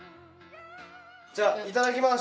じゃあいただきます。